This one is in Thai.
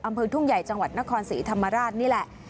อำเภอทุ่งใหญ่จังหวัดนครศรีธรรมราชนี่แหละ